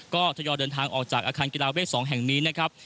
ก็ทยอยเดินทางออกจากอาคารกีฬาเวท๒แห่งนี้นะครับ